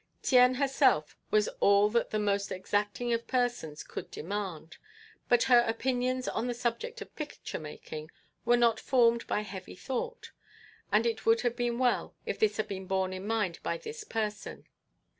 Tien herself was all that the most exacting of persons could demand, but her opinions on the subject of picture making were not formed by heavy thought, and it would have been well if this had been borne in mind by this person.